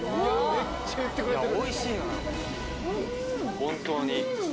めっちゃ言ってくれてる。